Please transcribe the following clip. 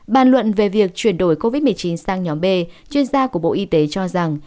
bàn luận về việc chuyển đổi covid một mươi chín sang nhóm b chuyên gia của bộ y tế cho rằng